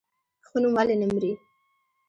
ښه نوم ولې نه مري؟